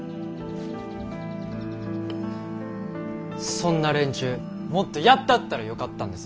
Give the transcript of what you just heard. そんな連中もっとやったったらよかったんです。